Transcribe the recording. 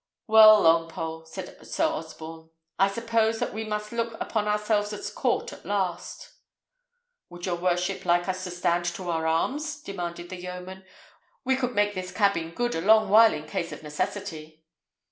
"Well, Longpole," said Sir Osborne, "I suppose that we must look upon ourselves as caught at last." "Would your worship like us to stand to our arms?" demanded the yeoman. "We could make this cabin good a long while in case of necessity."